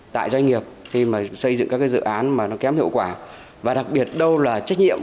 tại doanh nghiệp khi mà xây dựng các dự án mà nó kém hiệu quả và đặc biệt đâu là trách nhiệm